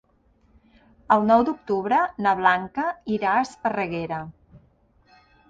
El nou d'octubre na Blanca irà a Esparreguera.